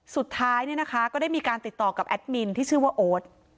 สุดท้ายเนี่ยนะคะก็ได้มีการติดต่อกับแอดมินที่ชื่อว่าโอ๊ต